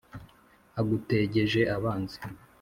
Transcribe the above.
agutegeje abanzi